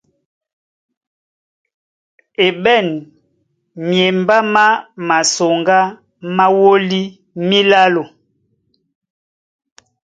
E ɓ!!ân myembá má masoŋgá má wólí mílálo.